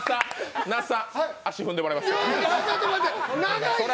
那須さん、足踏んでもらえますか。